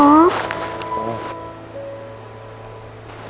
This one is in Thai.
เอาลูก